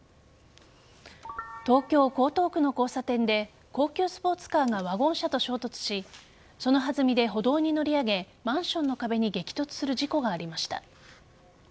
東京・江東区の交差点で高級スポーツカーがワゴン車と衝突しその弾みで歩道に乗り上げマンションの壁に激突する事故がありました。